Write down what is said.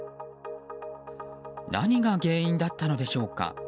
何が原因だったのでしょうか。